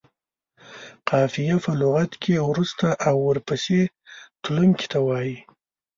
قافیه په لغت کې وروسته او ورپسې تلونکي ته وايي.